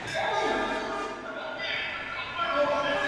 El anfitrión venció en la final a para ganar el título por segunda vez.